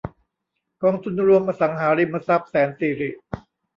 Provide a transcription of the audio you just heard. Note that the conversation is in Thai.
กองทุนรวมอสังหาริมทรัพย์แสนสิริ